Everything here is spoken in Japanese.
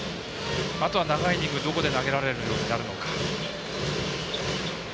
あとは長いイニングどこで投げられるようになるのか。